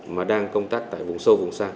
mà đang công tác tại vùng sâu vùng xa